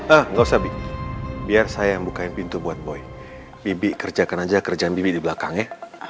ah nggak usah biar saya yang bukain pintu buat boy bibi kerjakan aja kerjaan bibi di belakangnya